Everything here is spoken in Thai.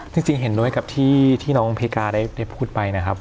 จริงเห็นด้วยกับที่น้องเพกาได้พูดไปนะครับ